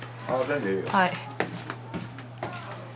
はい。